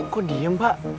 kok diam pak